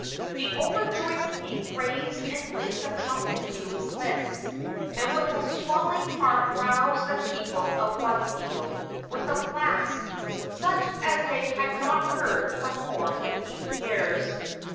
The overjoyed king raised and placed the trumpet to his lips, and with a swelling heart roused the people of Waipio with a blast such as they had not heard for more than eight years.